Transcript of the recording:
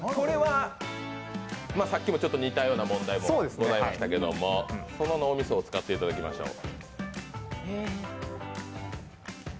さっきも似たような問題もございましたけどその脳みそを使って解きましょう。